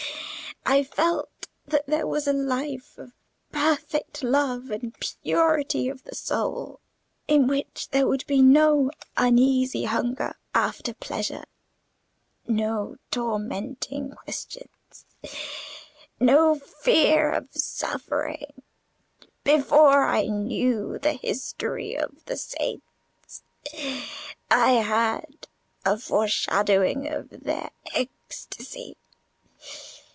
I felt that there was a life of perfect love and purity for the soul; in which there would be no uneasy hunger after pleasure, no tormenting questions, no fear of suffering. Before I knew the history of the saints, I had a foreshadowing of their ecstasy.